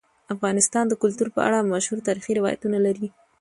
افغانستان د کلتور په اړه مشهور تاریخی روایتونه لري.